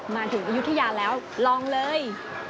มาถึงอยุธยาแล้วลองเลย